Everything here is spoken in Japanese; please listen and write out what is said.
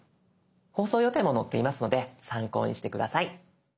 放送予定も載っていますので参考にして下さい。